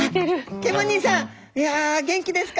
「ケンマ兄さんいや元気ですか？」